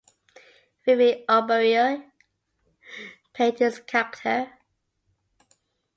Vivek Oberoi played his character.